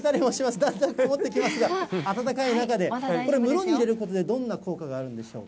だんだん曇ってきますが、暖かい中で、これ、室に入れることで、どんな効果があるんでしょうか。